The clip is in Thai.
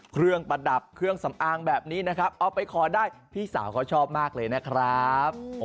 ประดับเครื่องสำอางแบบนี้นะครับเอาไปขอได้พี่สาวเขาชอบมากเลยนะครับ